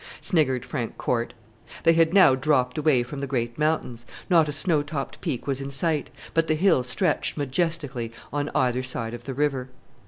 sniggered Frank Corte. They had now dropped away from the great mountains, not a snow topped peak was in sight; but the hills stretched majestically on either side of the river.